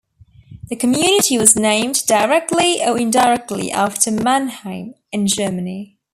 The community was named, directly or indirectly, after Mannheim, in Germany.